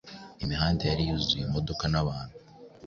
Imihanda yari yuzuye imodoka n'abantu